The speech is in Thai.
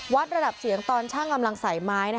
วัดระดับเสียงตอนช่างกำลังใส่ไม้